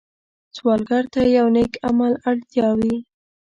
سوالګر ته د یو نېک عمل اړتیا وي